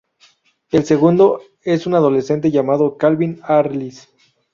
El segundo, es un adolescente llamado Calvin Arliss.